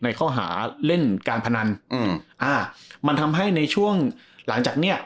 ข้อหาเล่นการพนันอืมอ่ามันทำให้ในช่วงหลังจากเนี้ย